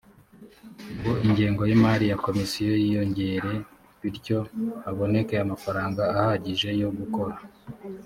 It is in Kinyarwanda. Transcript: ngo ingengo y imari ya komisiyo yiyongere bityo haboneke amafaranga ahagije yo gukora